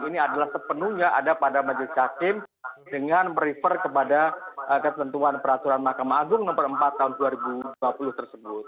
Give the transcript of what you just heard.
ini adalah sepenuhnya ada pada majelis hakim dengan merefer kepada ketentuan peraturan mahkamah agung nomor empat tahun dua ribu dua puluh tersebut